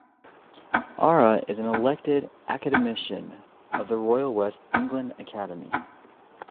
Ara is an elected Academician of the Royal West of England Academy.